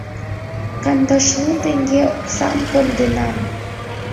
Кандашлу теҥге оксам конденам.